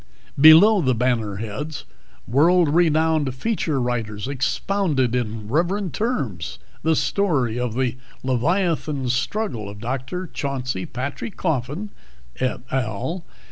Below the banner heads, world renowned feature writers expounded in reverent terms the story of the leviathan struggle of Dr. Chauncey Patrick Coffin (_et al.